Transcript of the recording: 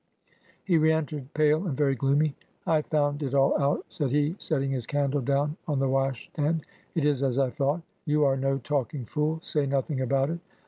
... He re entered, pale and very gloomy. 'I have found it all out,' said he, setting his candle down on the wash stand; 'it is as I thought. ... You are no talking fool; say nothing about it.